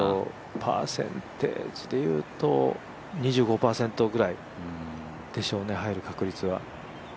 パーセンテージでいうと２５％ぐらいでしょうね、入る確率は。